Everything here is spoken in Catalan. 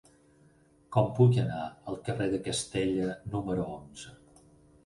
Com puc anar al carrer de Castella número onze?